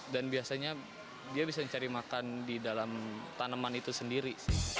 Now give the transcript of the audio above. dan biasanya dia bisa cari makan di dalam tanaman itu sendiri